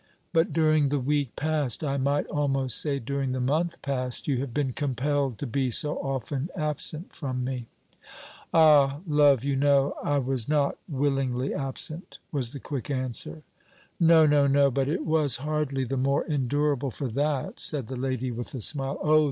"But during the week past, I might almost say during the month past, you have been compelled to be so often absent from me." "Ah! love, you know I was not willingly absent!" was the quick answer. "No no no but it was hardly the more endurable for that," said the lady, with a smile. "Oh!